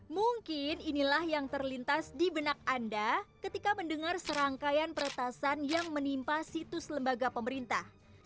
mungkin inilah yang terlintas di benak anda ketika mendengar serangkaian peretasan yang menimpa situs lembaga pemerintah